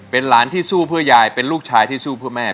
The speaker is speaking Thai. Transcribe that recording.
เป็นหลานที่สู้เพื่อยายเป็นลูกชายที่สู้เพื่อแม่